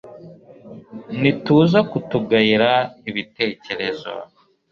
ntituza kutugayira ibitekerezo